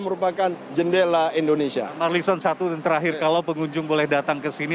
merupakan jendela indonesia marlison satu dan terakhir kalau pengunjung boleh datang ke sini